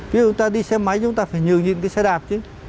ví dụ chúng ta đi xe máy chúng ta phải nhường nhịn cái xe đạp chứ